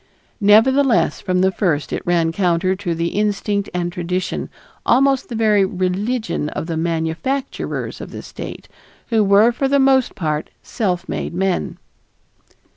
nevertheless from the first it ran counter to the instinct and tradition, almost to the very religion of the manufacturers of the state, who were for the most part self made men.